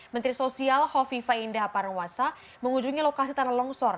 menteri sosial hovifa indah parawasa mengunjungi lokasi tanah longsor